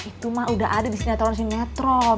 itu mah udah ada di sinetron sinetron